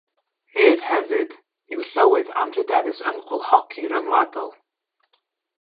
Ef hefyd yw Llywydd Anrhydeddus Ymchwil Hoci Ryngwladol.